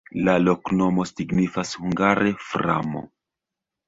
La loknomo signifas hungare: framo.